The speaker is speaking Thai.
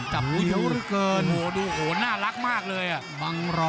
หัวดูหัวน่ารักมากเลยอ่ะ